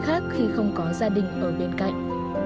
khác khi không có gia đình ở bên cạnh